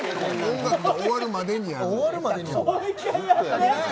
音楽が終わるまでに。